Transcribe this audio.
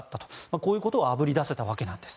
こういうことがあぶり出せたわけです。